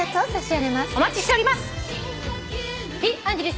お待ちしております。